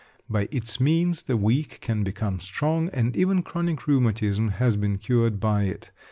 By its means the weak can become strong; and even chronic rheumatism has been cured by it.